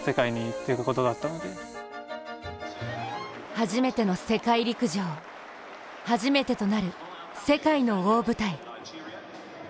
初めての世界陸上、初めてとなる世界の大舞台。